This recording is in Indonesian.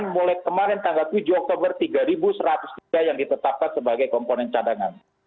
mulai kemarin tanggal tujuh oktober tiga satu ratus tiga yang ditetapkan sebagai komponen cadangan